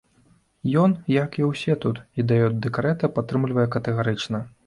Ён, як і ўсе тут, ідэю дэкрэта падтрымлівае катэгарычна!